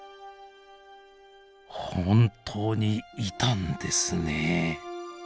本当にいたんですねえ！